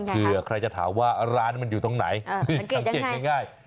เผื่อใครจะถามว่าร้านมันอยู่ตรงไหนสังเกตง่าย